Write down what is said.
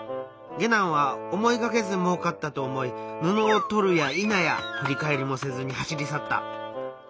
下男は思いがけずもうかったと思い布を取るやいなやふりかえりもせずに走り去った。